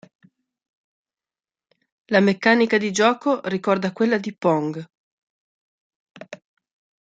La meccanica di gioco ricorda quella di Pong.